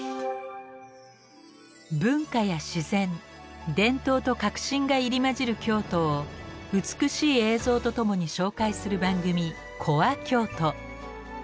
文化や自然伝統と革新が入り交じる京都を美しい映像と共に紹介する番組「ＣｏｒｅＫｙｏｔｏ」。